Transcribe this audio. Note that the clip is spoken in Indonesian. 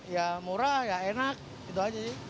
ya murah ya enak itu aja sih